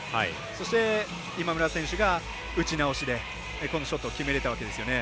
そして、今村選手が打ち直しでこのショットを決めれたわけですよね。